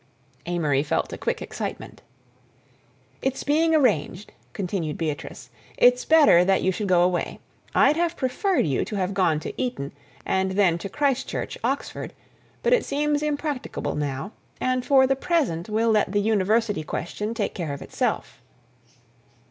Amory felt a quick excitement. "It's being arranged," continued Beatrice. "It's better that you should go away. I'd have preferred you to have gone to Eton, and then to Christ Church, Oxford, but it seems impracticable now—and for the present we'll let the university question take care of itself."